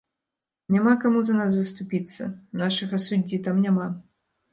Няма каму за нас заступіцца, нашага суддзі там няма.